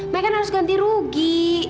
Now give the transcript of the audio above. mereka harus ganti rugi